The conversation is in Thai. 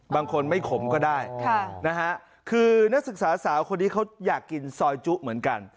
บางคนไม่ขมก็ได้นะฮะคือนักศึกษาสาวคนนี้เขาอยากกินซอยจุเหมือนกัน